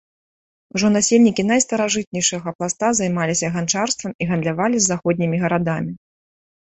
Ужо насельнікі найстаражытнейшага пласта займаліся ганчарствам і гандлявалі з заходнімі гарадамі.